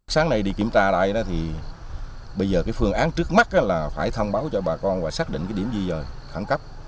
sáng nay đi kiểm tra đây bây giờ phương án trước mắt là phải thông báo cho bà con và xác định điểm di rời khẳng cấp